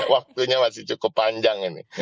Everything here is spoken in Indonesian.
waktunya masih cukup panjang ini